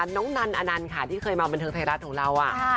น้องนันอนันต์ค่ะที่เคยมาบันเทิงไทยรัฐของเรา